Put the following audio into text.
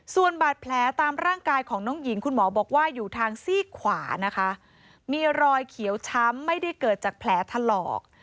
ส่วนบาดแผลตามร่างกายของน้องหญิงคุณหมอบอกว่าอยู่ทางซี่ขวานะคะมีรอยเขียวช้ำไม่ได้เกิดจากแผลถลอก